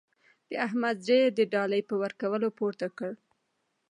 د احمد زړه يې د ډالۍ په ورکولو پورته کړ.